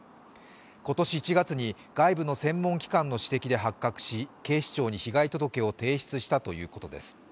今年１月に外部の専門機関の指摘で発覚し、警視庁に被害届を提出したということです。